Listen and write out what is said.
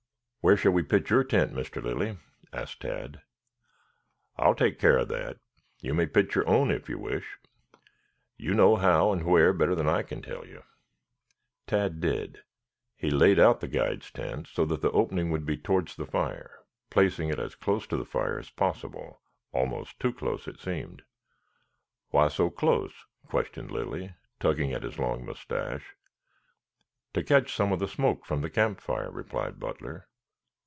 "Where shall we pitch your tent, Mr. Lilly?" asked Tad. "I will take care of that. You may pitch your own if you wish. You know how and where better than I can tell you." Tad did. He laid out the guide's tent so that the opening would be towards the fire, placing it as close to the fire as possible, almost too close it seemed. "Why so close?" questioned Lilly, tugging at his long moustache. "To catch some of the smoke from the campfire," replied Butler.